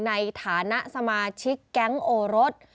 ในฐานะสมาชิกแก๊งโอรส